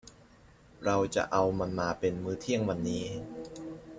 เราจะเอามันมาเป็นมื้อเที่ยงวันนี้